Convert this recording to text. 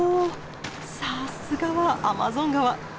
さすがはアマゾン川。